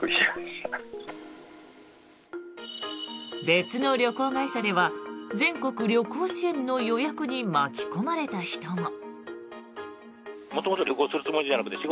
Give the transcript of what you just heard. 別の旅行会社では全国旅行支援の予約に巻き込まれた人も。